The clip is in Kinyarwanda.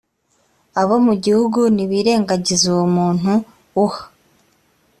abo mu gihugu nibirengagiza uwo muntu uha